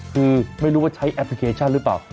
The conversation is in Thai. คือไม่รู้ว่าใช้แอปพลิเคชันหรือเปล่า